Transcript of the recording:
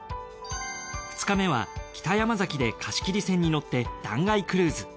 ２日目は北山崎で貸切船に乗って断崖クルーズ。